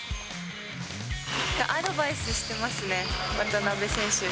アドバイスしてますね、渡邊選手。